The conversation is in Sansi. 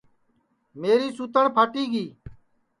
میری سُوتٹؔ پھاٹی گی